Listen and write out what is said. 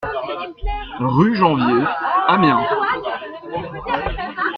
Rue Janvier, Amiens